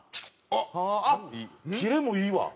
あっ切れもいいわ。